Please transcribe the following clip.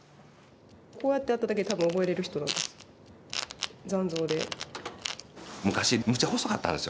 こうやってやっただけで多分覚えられる人なんですよ残像で。